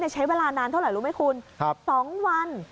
แต่ใช้เวลานานเท่าไหร่รู้ไหมครูอันนี้๒วัน